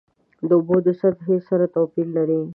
د اوبو سطحه یې سره توپیر لري.